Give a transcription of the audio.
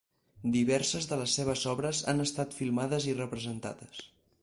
Diverses de les seves obres han estat filmades i representades.